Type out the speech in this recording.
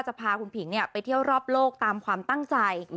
พาคุณผิงไปเที่ยวรอบโลกตามความตั้งใจ